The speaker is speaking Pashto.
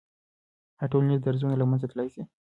آیا ټولنیز درزونه له منځه تللی سي؟